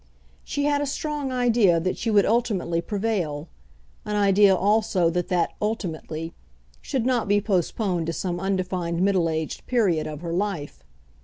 She had a strong idea that she would ultimately prevail, an idea also that that "ultimately" should not be postponed to some undefined middle aged period of her life.